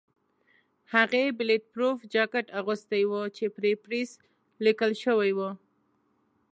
هغې بلېټ پروف جاکټ اغوستی و چې پرې پریس لیکل شوي وو.